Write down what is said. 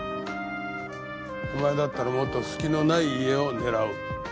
お前だったらもっと隙のない家を狙う。